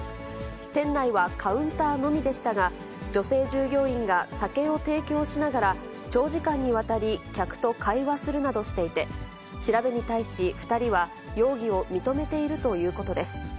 店内はカウンターのみでしたが、女性従業員が酒を提供しながら、長時間にわたり客と会話するなどしていて、調べに対し２人は容疑を認めているということです。